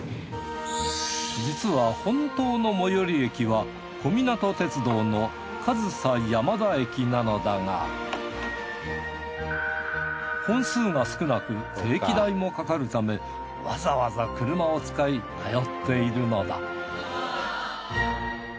実は本当の最寄り駅は小湊鐡道の上総山田駅なのだが本数が少なく定期代もかかるためわざわざ車を使い通っているのだ